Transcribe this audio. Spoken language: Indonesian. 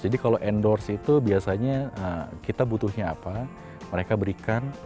jadi kalau endorse itu biasanya kita butuhnya apa mereka berikan